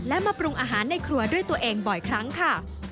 และมาปรุงอาหารในครัวด้วยตัวเองบ่อยครั้งค่ะ